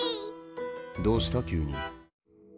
どうした急に！？